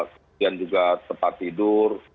kemudian juga tempat tidur